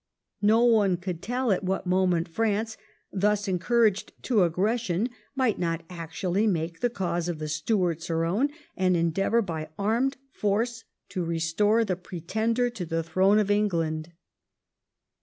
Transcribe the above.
No one could tell at what moment France, thus encour aged to aggression, might not actually make the cause of /the Stuarts her own, and endeavour by armed force to restore the Pretender to the throne of England.